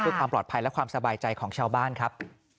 เพื่อความปลอดภัยและความสบายใจของชาวบ้านครับ